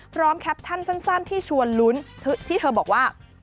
แคปชั่นสั้นที่ชวนลุ้นที่เธอบอกว่า